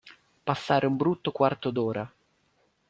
Passare un brutto quarto d'ora.